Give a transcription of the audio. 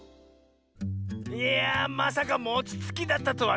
いやまさかもちつきだったとはね！